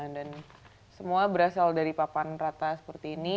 dan semua berasal dari papan rata seperti ini